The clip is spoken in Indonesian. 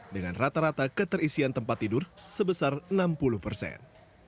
dengan rata rata keterisian tempat tidur sebesar enam puluh persen